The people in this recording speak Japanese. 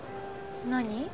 何？